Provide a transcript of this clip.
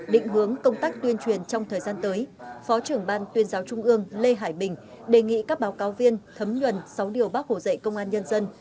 định hướng công tác tuyên truyền trong thời gian tới phó trưởng ban tuyên giáo trung ương lê hải bình đề nghị các báo cáo viên thấm nhuần sáu điều bác hồ dạy công an nhân dân